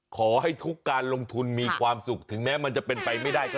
ก็กลายเป็นเบ๊ะเลย